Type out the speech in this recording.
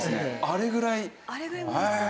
あれぐらいへえ。